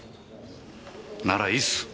ならいいっす！